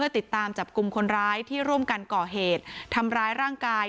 ติดตามจับกลุ่มคนร้ายที่ร่วมกันก่อเหตุทำร้ายร่างกาย